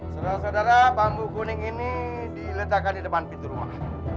saudara saudara bambu kuning ini diletakkan di depan pintu rumah